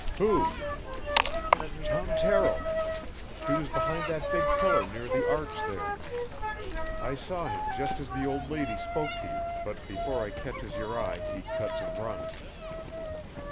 "Who?" "Tom Terrill. He was behind that big pillar near the arch there. I saw him just as the old lady spoke to you, but before I catches your eye, he cuts and runs."